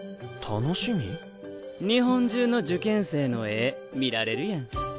日本中の受験生の絵見られるやん。